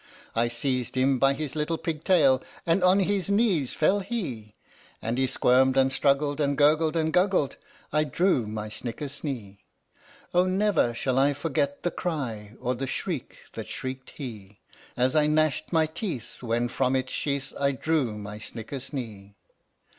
I seized him by his little pig tail And on his knees fell he, And he squirmed and struggled And gurgled and guggled, I drew my snickersnee ! Oh never shall I Forget the cry Or the shriek that shrieked he, As I gnashed my teeth When from its sheath I drew my snickersnee!